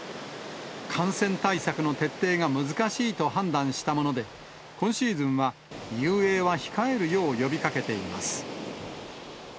感染対策の徹底が難しいと判断したもので、今シーズンは遊泳は控えるよう、呼びかけています。